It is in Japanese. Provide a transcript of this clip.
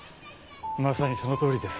まさにそのとおりです